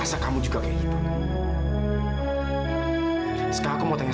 saya bras tunggu